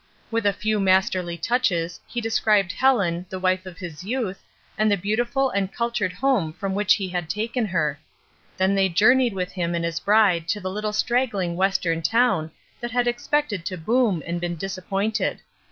With a few masterly touches he described Helen, the wife of his youth, and the beautiful and cultured home from which he had taken her. Then they journeyed with him and his bride to the little straggling Western town that had ex pected to boom and been disappointed.